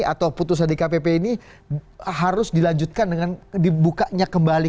atau putusan dkpp ini harus dilanjutkan dengan dibukanya kembali